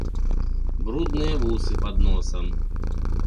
Брудныя вусы пад носам.